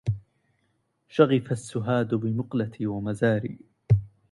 شغف السهاد بمقلتي ومزاري